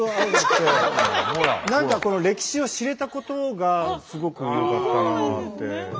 何かこの歴史を知れたことがすごくよかったなって。